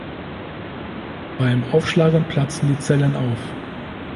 Beim Aufschlagen platzen die Zellen auf.